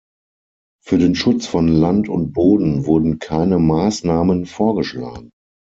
Für den Schutz von Land und Boden wurden keine Maßnahmen vorgeschlagen.